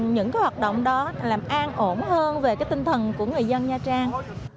những hoạt động đó làm an ổn hơn về cái tinh thần của người dân nha trang